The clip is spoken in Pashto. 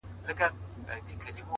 لا به په تا پسي ژړېږمه زه؛